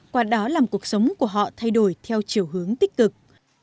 qua đó làm cuộc sống của họ thay đổi theo chiều hướng tích cực